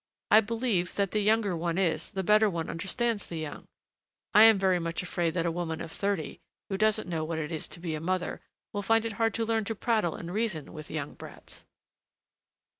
I believe that the younger one is, the better one understands the young. I am very much afraid that a woman of thirty, who doesn't know what it is to be a mother, will find it hard to learn to prattle and reason with young brats."